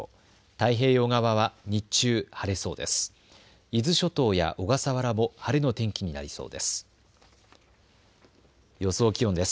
太平洋側は日中、晴れそうです。